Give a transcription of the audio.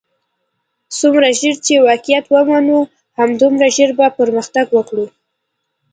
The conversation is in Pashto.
څومره ژر چې واقعیت ومنو همدومره ژر بۀ پرمختګ وکړو.